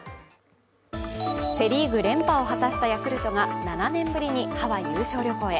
セ・リーグ連覇を果たしたヤクルトが７年ぶりにハワイ優勝旅行へ。